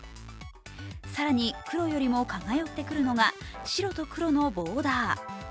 更に、黒よりも蚊が寄るってくるのが、白と黒のボーダー。